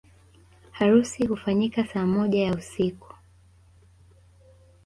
Harusi hufanyika saa moja ya usiku